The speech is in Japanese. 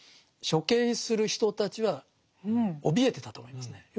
処刑する人たちはおびえてたと思いますね。